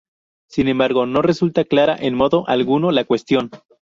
Sin embargo no resulta clara en modo alguno la cuestión.